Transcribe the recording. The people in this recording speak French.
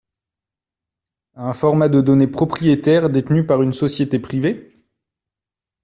à un format de données 'propriétaire' détenu par une société privée?